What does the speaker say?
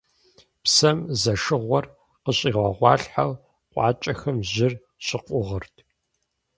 Псэм зэшыгъуэр къыщӀигъэгъуалъхьэу къуакӀэхэм жьыр щыкъугъырт.